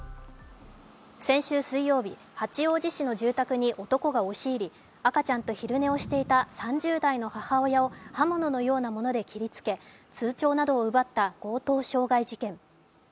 先週水曜日、八王子市の住宅に男が押し入り赤ちゃんと昼寝をしていた３０代の母親を刃物のようなもので切りつけ通帳などを奪った強盗傷害事件。